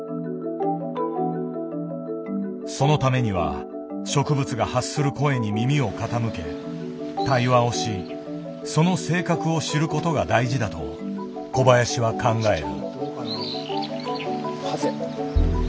そのためには植物が発する声に耳を傾け対話をしその性格を知ることが大事だと小林は考える。